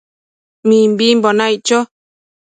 Mimbimbo naic cho